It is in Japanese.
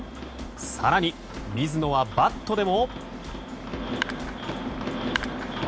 更に、水野はバットでも。